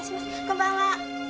こんばんは。